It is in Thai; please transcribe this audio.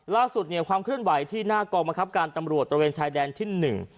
ล่าสุดความเคลื่อนไหวที่หน้ากรมกับการตำรวจตรวจเฉยแดนที่๑